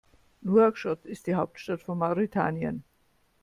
Nouakchott ist die Hauptstadt von Mauretanien.